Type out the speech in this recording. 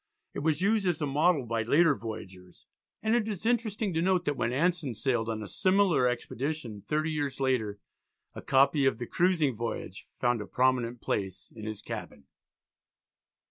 It was used as a model by later voyagers, and it is interesting to note that when Anson sailed on a similar expedition thirty years later a copy of the "Cruising Voyage," found a prominent place in his cabin.